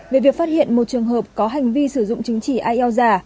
về việc phát hiện một trường hợp có hành vi sử dụng chứng chỉ ielts giả